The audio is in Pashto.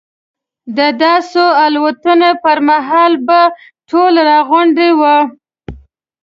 د داسې الوتنې پر مهال به ټول راغونډ وو.